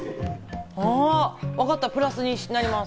わかった、プラスになります。